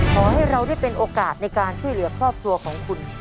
ขอให้เราได้เป็นโอกาสในการช่วยเหลือครอบครัวของคุณ